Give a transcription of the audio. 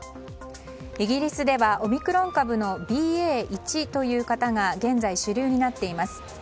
イギリスではオミクロン株のＢＡ．１という型が現在、主流になっています。